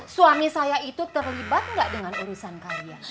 suami saya itu terlibat gak dengan urusan karya